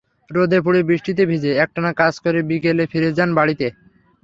রোদে পুড়ে, বৃষ্টিতে ভিজে একটানা কাজ করে বিকেলে ফিরে যান বাড়িতে।